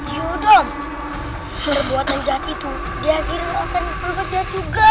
iya dong perbuatan jahat itu diakhiri oleh hantu liak jahat juga